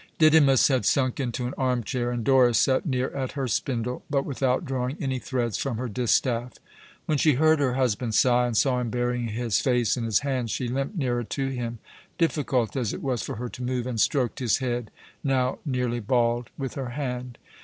Didymus had sunk into an armchair, and Doris sat near at her spindle, but without drawing any threads from her distaff. When she heard her husband sigh and saw him bury his face in his hands, she limped nearer to him, difficult as it was for her to move, and stroked his head, now nearly bald, with her hand.